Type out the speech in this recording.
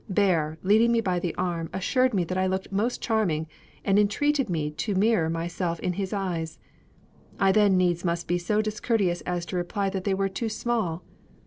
Bear, leading me by the arm, assured me that I looked "most charming," and entreated me to mirror myself in his eyes. I then needs must be so discourteous as to reply that they were "too small."